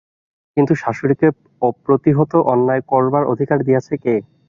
কিন্তু শাশুড়ীকে অপ্রতিহত অন্যায় করবার অধিকার দিয়েছে কে?